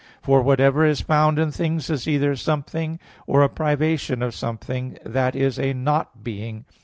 For whatever is found in things, is either something, or a privation of something, that is a "not being."